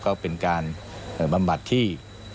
ก็เป็นการบำบัดที่